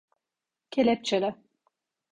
Kelepçele.